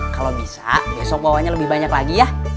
kalau bisa besok bawanya lebih banyak lagi ya